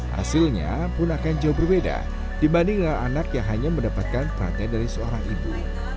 hasilnya pun akan jauh berbeda dibanding anak yang hanya mendapatkan perhatian dari seorang ibu